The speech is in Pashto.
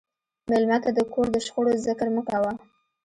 مېلمه ته د کور د شخړو ذکر مه کوه.